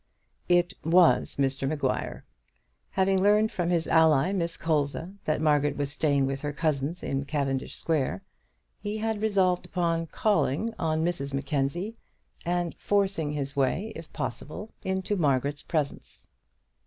It was Mr Maguire. Having learned from his ally, Miss Colza, that Margaret was staying with her cousins in Cavendish Square, he had resolved upon calling on Mrs Mackenzie, and forcing his way, if possible, into Margaret's presence.